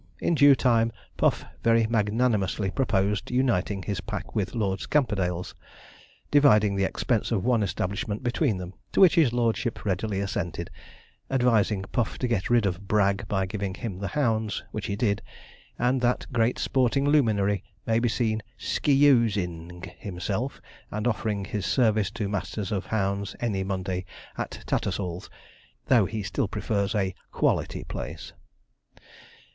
In due time Puff very magnanimously proposed uniting his pack with Lord Scamperdale's, dividing the expense of one establishment between them, to which his lordship readily assented, advising Puff to get rid of Bragg by giving him the hounds, which he did; and that great sporting luminary may be seen 's c e u s e' ing himself, and offering his service to masters of hounds any Monday at Tattersall's though he still prefers a 'quality place.'